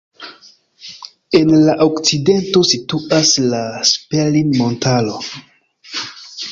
En la okcidento situas la Sperrin-montaro.